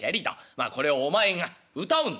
まあこれをお前が謡うんだな」。